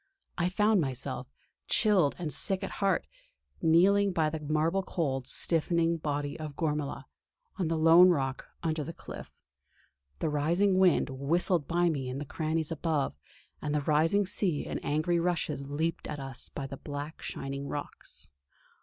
I found myself, chilled and sick at heart, kneeling by the marble cold, stiffening body of Gormala, on the lone rock under the cliff. The rising wind whistled by me in the crannies above, and the rising sea in angry rushes leaped at us by the black shining rocks.